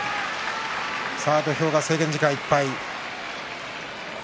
土俵は制限時間いっぱい。